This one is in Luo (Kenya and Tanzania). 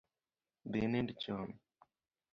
Dhi inind chon